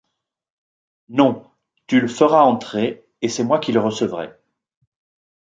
Non. Tu le feras entrer, cʼest moi qui le recevrai.